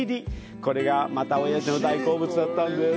これがまたおやじの大好物だったんです。